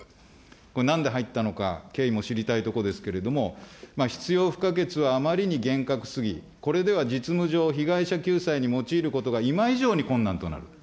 これ、なんで入ったのか、経緯も知りたいところですけれども、必要不可欠はあまりに厳格すぎ、これでは実務上、被害者救済に用いることが今以上に困難となる。